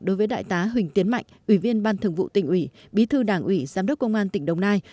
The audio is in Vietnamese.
đối với đại tá huỳnh tiến mạnh ủy viên ban thường vụ tỉnh ủy bí thư đảng ủy giám đốc công an tỉnh đồng nai